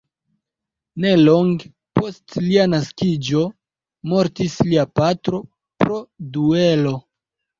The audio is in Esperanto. Nelonge post lia naskiĝo mortis lia patro, pro duelo.